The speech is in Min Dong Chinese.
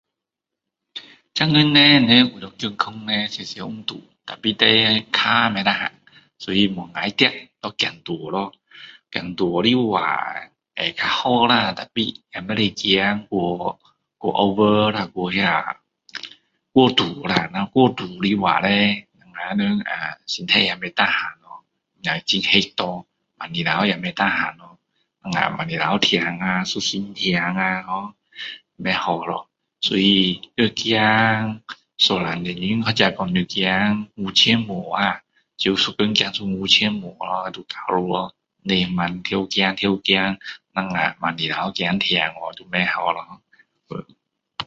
现在了人人讲要常常运动脚不tahan不能够跑走路的话会比较好啦tapi赢去过度那过度我们人身体也不tahan也很累七盖会很痛不好lor 所以要走一两个钟头或者说五千步你一天走五千步就好了不用一直走一直走等下乞丐走痛去不好了